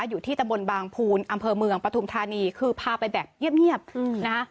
อยู่ที่ตะบนบางภูนอำเภอเมืองปฐุมธานีคือพาไปแบบเงียบนะคะ